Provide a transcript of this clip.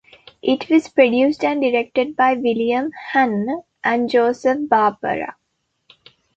It was produced and directed by William Hanna and Joseph Barbera.